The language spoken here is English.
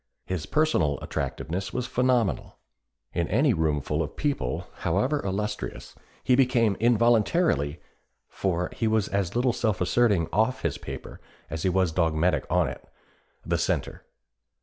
His personal attractiveness was phenomenal. In any roomful of people, however illustrious, he became involuntarily for he was as little self asserting off his paper as he was dogmatic on it the centre.